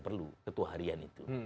perlu ketua harian itu